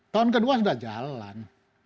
tahun kedua sudah jalan